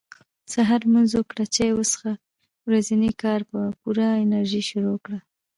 سهار لمونځ وکړه چاي وڅښه ورځني کار په پوره انرژي شروع کړه